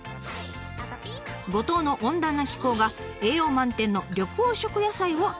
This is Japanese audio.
五島の温暖な気候が栄養満点の緑黄色野菜を育みます。